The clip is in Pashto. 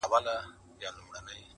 • دا خو ډيره گرانه ده.